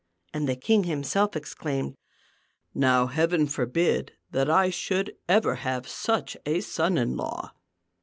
And the king himself ex claimed, "Now Heaven forbid that I should ever have such a son in law